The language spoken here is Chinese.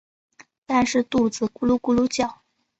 但是肚子咕噜咕噜叫